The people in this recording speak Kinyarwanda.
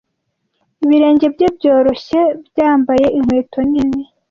ibirenge bye byoroshye byambaye inkweto nini